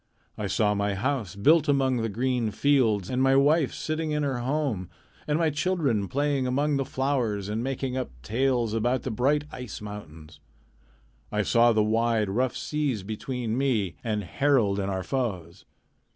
I saw my house built among green fields, and my wife sitting in her home, and my children playing among the flowers and making up tales about the bright ice mountains. I saw the wide, rough seas between me and Harald and our foes.